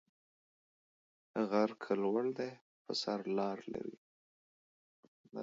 غر که لوړ دى ، لار پر سر بيره ده.